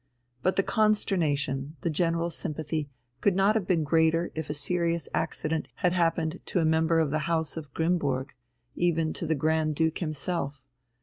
But the consternation, the general sympathy, could not have been greater if a serious accident had happened to a member of the House of Grimmburg, even to the Grand Duke himself.